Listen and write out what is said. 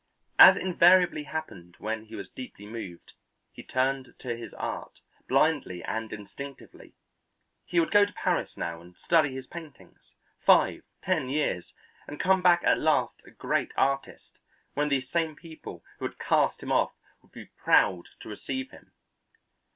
As invariably happened when he was deeply moved, he turned to his art, blindly and instinctively. He would go to Paris now and study his paintings, five, ten years, and come back at last a great artist, when these same people who had cast him off would be proud to receive him.